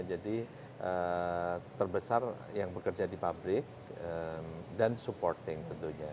jadi terbesar yang bekerja di pabrik dan supporting tentunya